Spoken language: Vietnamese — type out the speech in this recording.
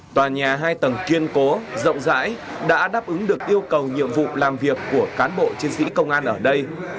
tòa nhà hai tầng kiên cố rộng rãi đã đáp ứng được yêu cầu nhiệm vụ làm việc của cán bộ chiến sĩ công an ở đây